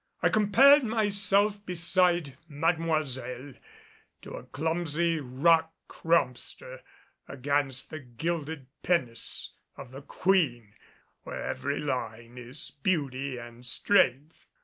I compared myself, beside Mademoiselle, to a clumsy rock crumster against the gilded pinnace of the Queen where every line is beauty and strength.